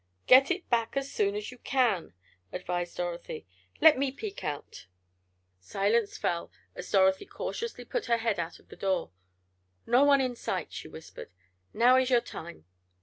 "Get it back as soon as you can," advised Dorothy. "Let me peek out!" Silence fell as Dorothy cautiously put her head out of the door. "No one in sight," she whispered. "Now is your time."